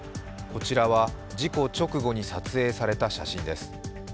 こちらは事故直後に撮影された写真です。